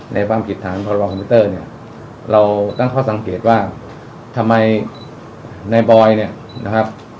ในความผิดฐานพรบคอมพิวเตอร์เนี่ยเราตั้งข้อสังเกตว่าทำไมในบอยเนี่ยนะครับ